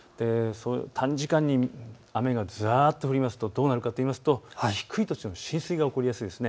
短時間に雨がざっと降るとどうなるかというと低い土地の浸水が起こりやすいです。